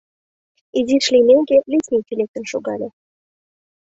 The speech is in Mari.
Изиш лиймеке, лесничий лектын шогале.